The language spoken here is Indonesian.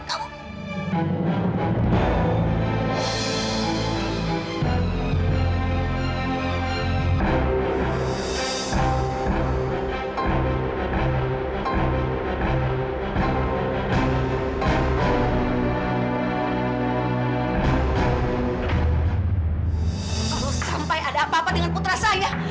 kamu sampai ada apa apa dengan putra saya